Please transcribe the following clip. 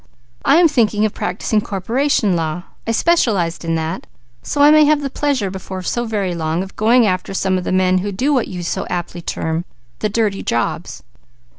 I am thinking of practising corporation law; I specialized in that, so I may have the pleasure before so very long of going after some of the men who do what you so aptly term the 'dirty' jobs."